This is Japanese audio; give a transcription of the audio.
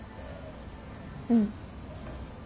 うん。